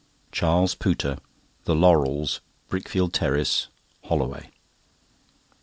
CHARLES POOTER. The Laurels, Brickfield Terrace, Holloway.